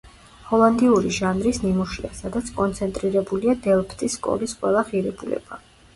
ჰოლანდიური ჟანრის ნიმუშია, სადაც კონცენტრირებულია დელფტის სკოლის ყველა ღირებულება.